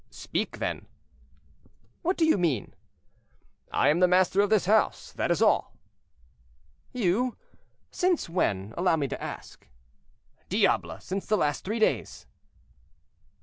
"Speak, then." "What do you mean?" "I am the master of the house, that is all." "You? since when, allow me to ask?" "Diable! since the last three days."